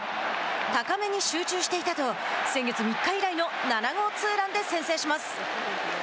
高めに集中していたと先月３日以来の７号ツーランで先制します。